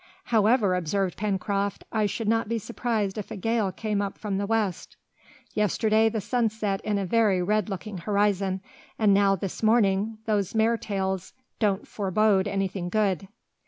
"However," observed Pencroft, "I should not be surprised if a gale came up from the west. Yesterday the sun set in a very red looking horizon, and now, this morning, those mares tails don't forebode anything good."